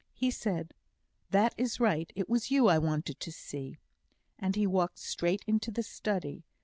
He said, "That is right. It was you I wanted to see." And he walked straight into the study.